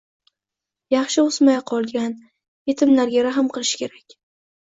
yaxshi o'smay qolgan. Yetimlarga rahm qilish kerak.